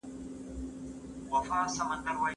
په لاس لیکل د محرمیت د ساتلو ضمانت کوي.